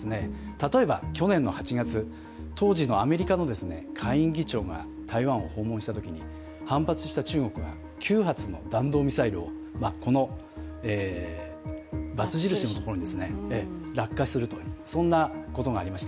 例えば去年の８月、当時のアメリカの下院議長が台湾を訪問したときに反発した中国が９発の弾道ミサイルをこの×印のところに落下するとそんなことがありました。